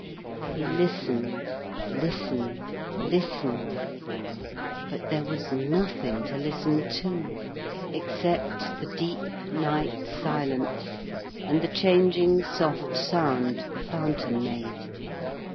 He listened, listened, listened, but there was nothing to listen to, except the deep night silence and the changing soft sound the fountain made.